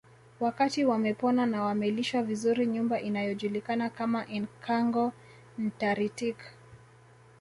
Wakati wamepona na wamelishwa vizuri nyumba inayojulikana kama Enkangoo Ntaritik